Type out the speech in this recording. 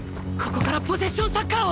ここからポゼッションサッカーを！